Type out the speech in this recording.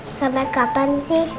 ma sampai kapan sih